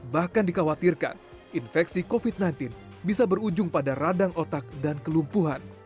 bahkan dikhawatirkan infeksi covid sembilan belas bisa berujung pada radang otak dan kelumpuhan